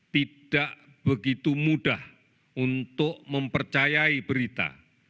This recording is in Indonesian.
tidak begitu mudah untuk mempercayai berita